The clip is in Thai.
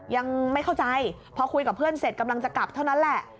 ยังไม่เข้าใจพอคุยกับเพื่อนเสร็จกำลังจะกลับเท่านั้นแหละ